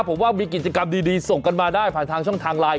ผมว่ามีกิจกรรมดีส่งกันมาได้ผ่านทางช่องทางไลน์